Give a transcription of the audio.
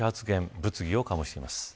物議を醸しています。